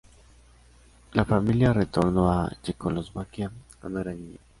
La familia retornó a Checoslovaquia cuando era niño.